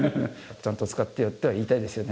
「ちゃんと使ってよ」とは言いたいですよね。